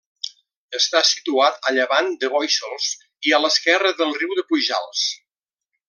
Està situat a llevant de Bóixols i a l'esquerra del riu de Pujals.